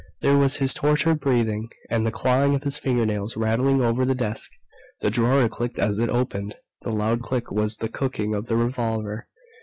There was his tortured breathing, and the clawing of his fingernails rattling over the desk. The drawer clicked as it opened. The loud click was the cocking of the revolver.